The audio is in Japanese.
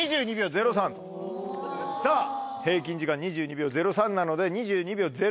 さぁ平均時間２２秒０３なので２２秒０２以内で成功と。